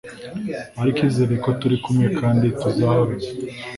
ariko izere ko turi kumwe kandi tuzahorana